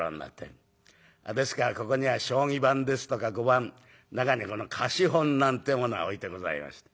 ですからここには将棋盤ですとか碁盤中にこの貸本なんてものが置いてございました。